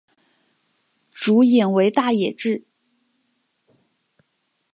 主演为大野智。